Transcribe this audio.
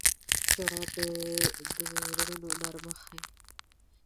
• ژړا د زړونو نرمښت ښيي.